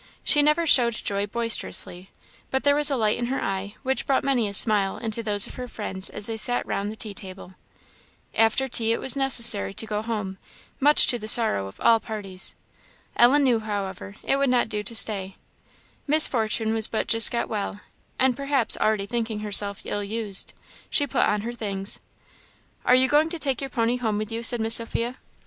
She never showed joy boisterously; but there was a light in her eye which brought many a smile into those of her friends as they sat round the tea table. After tea it was necessary to go home, much to the sorrow of all parties. Ellen knew, however, it would not do to stay; Miss Fortune was but just got well, and perhaps already thinking herself ill used. She put on her things. "Are you going to take your pony home with you?" said Miss Sophia.